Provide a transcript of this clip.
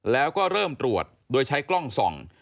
แล้วก็เริ่มตรวจโดยใช้กล้องส่อง